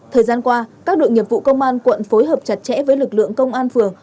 thời gian qua các đội nghiệp vụ công an quận phối hợp chặt chẽ với lực lượng công an phường